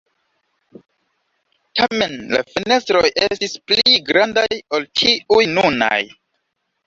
Tamen la fenestroj estis pli grandaj ol tiuj nunaj.